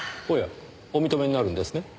おやお認めになるんですね？